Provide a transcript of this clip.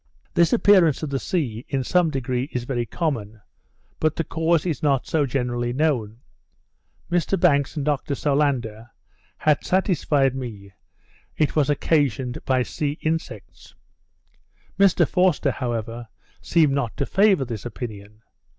This appearance of the sea, in some degree, is very common; but the cause is not so generally known. Mr Banks and Dr Solander had satisfied me that it was occasioned by sea insects. Mr Forster, however, seemed not to favour this opinion.